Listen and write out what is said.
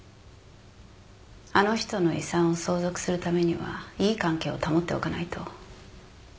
あの人の遺産を相続するためにはいい関係を保っておかないと